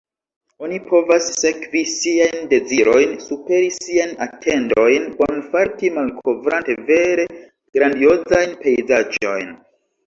Oni povas sekvi siajn dezirojn, superi siajn atendojn, bonfarti, malkovrante vere grandiozajn pejzaĝojn!